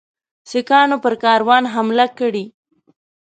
سیکهانو پر کاروان حمله کړې.